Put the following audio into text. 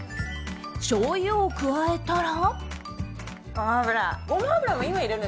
しょうゆを加えたら。